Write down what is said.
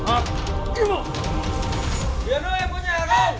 anh là mơ hả